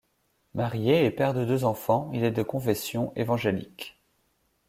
Marié et père de deux enfants, il est de confession évangélique.